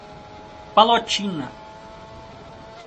Palotina